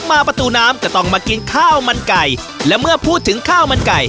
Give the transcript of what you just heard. ประตูน้ำก็ต้องมากินข้าวมันไก่และเมื่อพูดถึงข้าวมันไก่